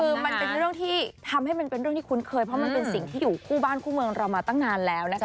คือมันเป็นเรื่องที่ทำให้มันเป็นเรื่องที่คุ้นเคยเพราะมันเป็นสิ่งที่อยู่คู่บ้านคู่เมืองเรามาตั้งนานแล้วนะคะ